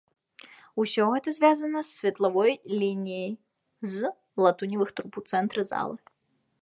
Усё гэта звязана светлавой лініяй з латуневых труб у цэнтры залы.